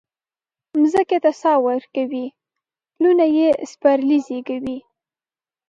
مځکې ته ساه ورکوي پلونه یي سپرلي زیږوي